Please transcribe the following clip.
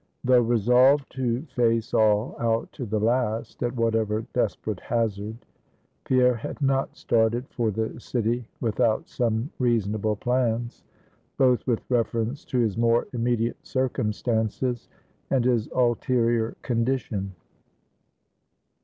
Though resolved to face all out to the last, at whatever desperate hazard, Pierre had not started for the city without some reasonable plans, both with reference to his more immediate circumstances, and his ulterior condition.